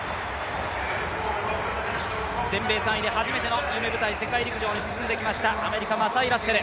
全米３位で初めての世界陸上、準決勝に進んできました、アメリカ、マサイ・ラッセル。